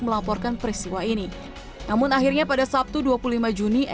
melaporkan peristiwa ini namun akhirnya pada sabtu dua puluh lima juni eti yang tak kuat lagi melihat kondisi